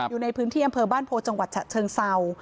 อยู่ในพื้นที่อำเภอบ้านโพจังหวัดฉะเชิงเศร้า